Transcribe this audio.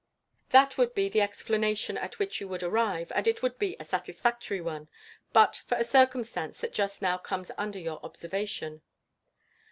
That would be the explanation at which you would arrive; and it would be a satisfactory one, but for a circumstance that just now comes under your observation.